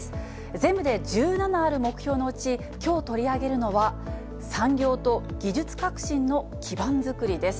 全部で１７ある目標のうち、きょう取り上げるのは、産業と技術革新の基板作りです。